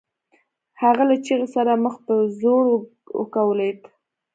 هغه له چيغې سره مخ په ځوړ وکوليد.